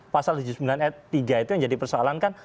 pasal tujuh puluh sembilan ayat tiga itu yang jadi persoalan kan